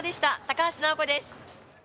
高橋尚子です。